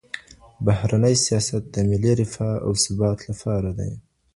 بهرنی سیاست د ملي رفاه او ثبات لپاره دی.